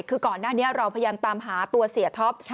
คือก่อนหน้านี้เราพยายามตามหาตัวเสียท็อป